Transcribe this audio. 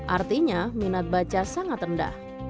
artinya minat baca sangat rendah